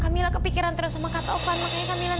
kamilah kepikiran terus sama kata tuhan